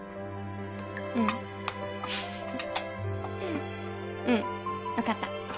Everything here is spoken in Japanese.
うんうん分かった。